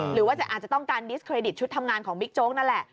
หรือว่าอาจจะต้องการดิสเครดิตชุดทำงานของบิ๊กโจ๊กนั่นแหละ